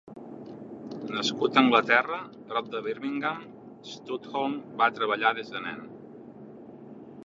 Nascut a Anglaterra, prop de Birmingham, Studholme va treballar des de nen.